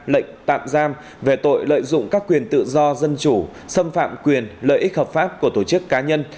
lệnh tạm giam về tội lợi dụng các quyền tự do dân chủ xâm phạm quyền lợi ích hợp pháp của tổ chức cá nhân